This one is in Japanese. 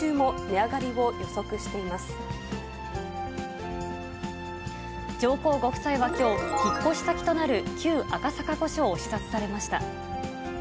上皇ご夫妻はきょう、引っ越し先となる旧赤坂御所を視察されました。